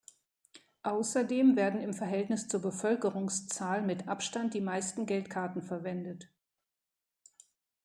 Außerdem werden im Verhältnis zur Bevölkerungszahl mit Abstand die meisten Geldkarten verwendet.